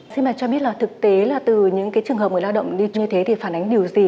xin bà cho biết là thực tế là từ những cái trường hợp người lao động đi như thế thì phản ánh điều gì